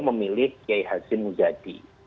memilih kiai hasim mujadi